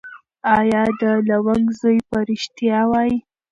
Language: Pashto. ایا د لونګ زوی به ریښتیا وایي؟